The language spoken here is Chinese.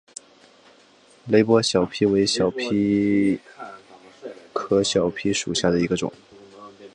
雷波小檗为小檗科小檗属下的一个种。